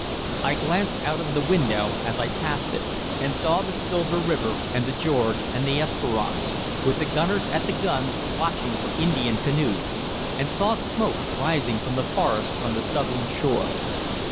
I glanced out of the window as I passed it, and saw the silver river and the George and the Esperance, with the gunners at the guns watching for Indian canoes, and saw smoke rising from the forest on the southern shore.